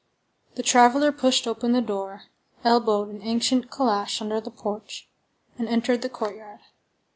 The traveller pushed open the door, elbowed an ancient calash under the porch, and entered the courtyard.